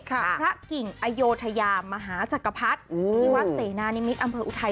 พระกิ่งอโยธยามหาจักรพรรดิที่วัดเสนานิมิตรอำเภออุทัย